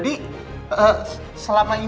tidak ada yang bisa dikira